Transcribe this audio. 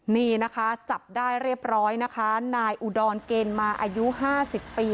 นี่นะคะจับได้เรียบร้อยนะคะนายอุดรเกณฑ์มาอายุ๕๐ปี